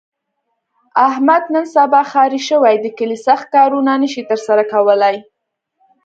احمد نن سبا ښاري شوی، د کلي سخت کارونه نشي تر سره کولی.